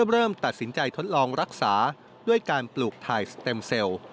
เริ่มตัดสินใจทดลองรักษาด้วยการปลูกถ่ายสเต็มเซลล์